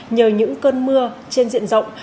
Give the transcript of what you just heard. nhờ những cơn mưa trên diện rộng